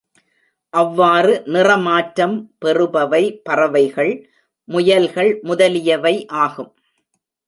அவ்வாறு நிற மாற்றம் பெறுபவை பறவைகள், முயல்கள் முதலியவை ஆகும்.